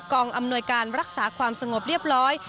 อำนวยการรักษาความสงบเรียบร้อย